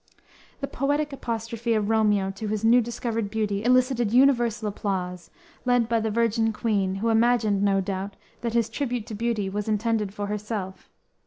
"_ The poetic apostrophe of Romeo to his new discovered beauty elicited universal applause, led by the "Virgin Queen," who imagined, no doubt, that his tribute to beauty was intended for herself.